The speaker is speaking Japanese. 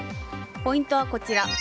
ポイントはこちら。